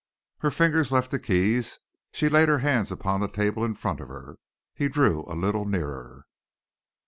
Her fingers left the keys. She laid her hands upon the table in front of her. He drew a little nearer.